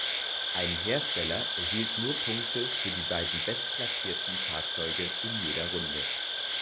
Ein Hersteller erhielt nur Punkte für die beiden bestplatzierten Fahrzeuge in jeder Runde.